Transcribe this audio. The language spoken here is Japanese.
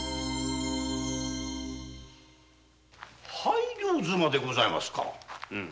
拝領妻でございますか？